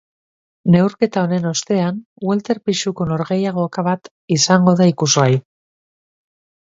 Neurketa honen ostean, welter pisuko norgehiagoka bat izango da ikusgai.